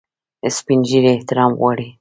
سپین ږیری احترام غواړي